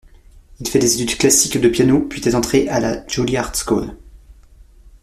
Il fait des études classiques de piano puis est entré à la Juilliard School.